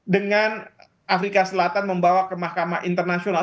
dengan afrika selatan membawa ke mahkamah internasional